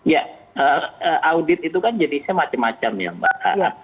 ya audit itu kan jenisnya macam macam ya mbak